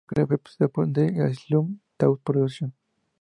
La película fue producida por The Asylum y Taut Productions.